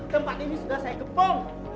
tempat ini sudah saya gepong